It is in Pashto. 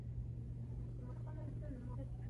څه پيکه پيکه لوګی لوګی ماحول دی